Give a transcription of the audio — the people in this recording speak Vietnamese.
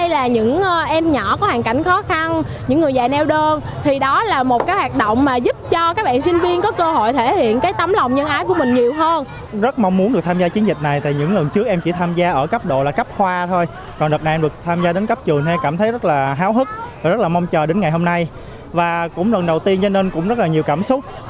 lần đầu tiên cho nên cũng rất là nhiều cảm xúc